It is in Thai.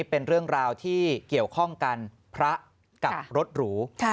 เป็นเรื่องราวที่เกี่ยวข้องกันพระกับรถหรู